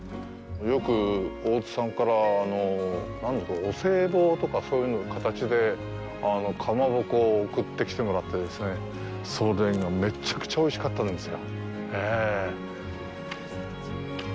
よく大津さんからお歳暮とか、そういう形でかまぼこを送ってきてもらってですね、それが、めちゃくちゃおいしかったんですよ。